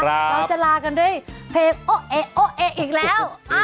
เราจะลากันด้วยเพลงโอ๊ะโอ๊เอะอีกแล้ว